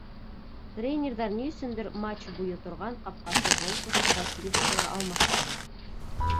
Тренерҙар ни өсөндөр матч буйы торған ҡапҡасы Волковты Василевскийға алмаштырҙы.